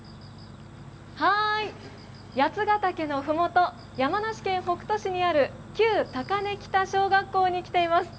八ヶ岳のふもと、山梨県北杜市にある旧高根北小学校に来ています。